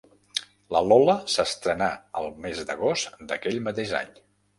La Lola s'estrenà el mes d'agost d'aquell mateix any.